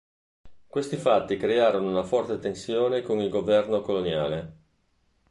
Questi fatti crearono una forte tensione con il governo coloniale.